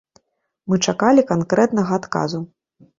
Мы чакалі канкрэтнага адказу.